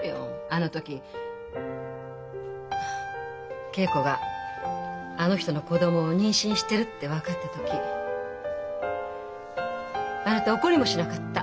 あの時桂子があの人の子供を妊娠してるって分かった時あなた怒りもしなかった。